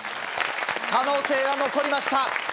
可能性は残りました。